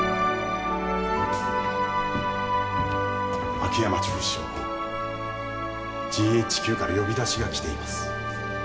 秋山厨司長ＧＨＱから呼び出しが来ています